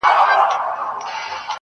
ته کندهار کي اوسه دا چينه بې وږمه نه سي~